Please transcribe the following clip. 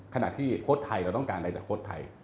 ขณะที่โค้ดไทยเราต้องการอะไรจากโค้ดไทย